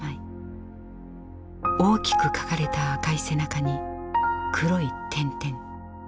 大きく描かれた赤い背中に黒い点々。